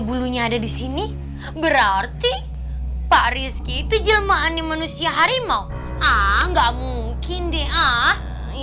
bulunya ada di sini berarti pak rizky itu jelmaan manusia harimau ah enggak mungkin deh ah